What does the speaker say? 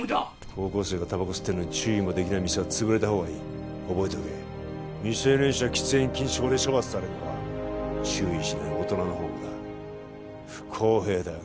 高校生がタバコ吸ってんのに注意もできない店は潰れた方がいい覚えておけ未成年者喫煙禁止法で処罰されんのは注意しない大人の方もだ不公平だよ